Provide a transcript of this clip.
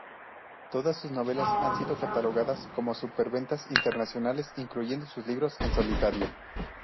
Todas sus novelas han sido catalogadas como superventas internacionales, incluyendo sus libros en solitario.